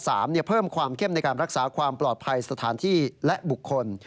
เพิ่มความเข้มในการรักษาความปลอดภัยสถานที่และบุคคล